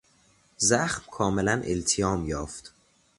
زخم کاملا التیام یافت.